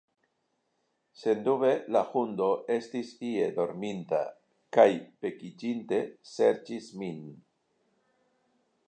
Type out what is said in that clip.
Sendube la hundo estis ie dorminta kaj vekiĝinte, serĉis min.